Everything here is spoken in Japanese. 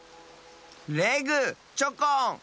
レグチョコン！